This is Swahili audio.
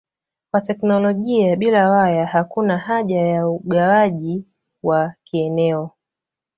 Kwa teknolojia bila waya hakuna haja ya ugawaji wa kieneo.